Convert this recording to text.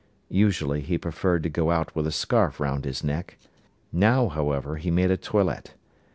Usually he preferred to go out with a scarf round his neck. Now, however, he made a toilet.